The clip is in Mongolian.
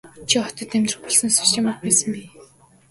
Чи хотод амьдрах болсноосоо хойш ямар байсан бэ?